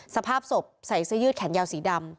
สภาพศพใส่เสื้อยืดแขนยาวสีดำ